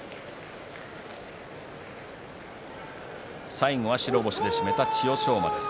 最後は白星で締めた千代翔馬です。